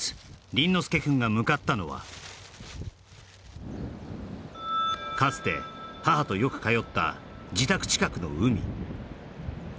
倫之亮君が向かったのはかつて母とよく通った自宅近くの海